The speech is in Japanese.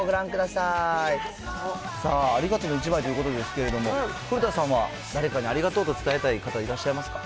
さあ、ありがとうの１枚ということですけれども、古田さんは誰かにありがとうと伝えたい方、いらっしゃいますか？